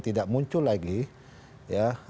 tidak muncul lagi ya